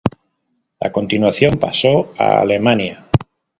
A continuación, pasó a Alemania.